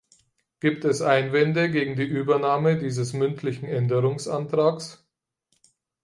Gibt es Einwände gegen die Übernahme dieses mündlichen Änderungsantrags?